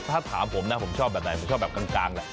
ถ้าถามผมนะผมชอบแบบไหนผมชอบแบบกลางแหละ